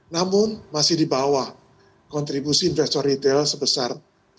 namun masih di bawah kontribusi investor retail sebesar tiga puluh delapan